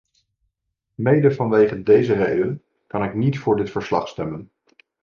Mede vanwege deze reden kan ik niet voor dit verslag stemmen.